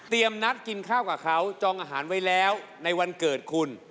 นัดกินข้าวกับเขาจองอาหารไว้แล้วในวันเกิดคุณ